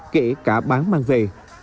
kể cả bán mang về